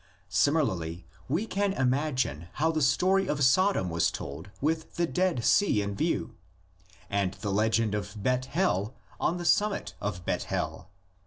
Similarly we can imagine how the story of Sodom was told with the Dead Sea in view, and the legend of Bethel on the summit of Beth el.